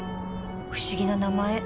不思議な名前